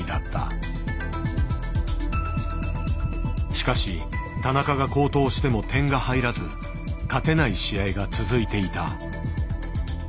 しかし田中が好投しても点が入らず勝てない試合が続いていた。